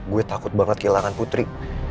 gue takut banget kehilangan putri